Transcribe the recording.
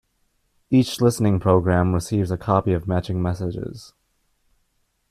Each listening program receives a copy of matching messages.